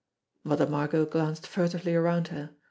Mother Margot glanced furtively around her.